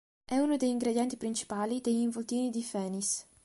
È uno degli ingredienti principali degli "involtini di Fénis".